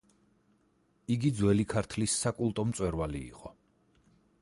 იგი ძველი ქართლის საკულტო მწვერვალი იყო.